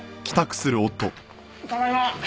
ただいま。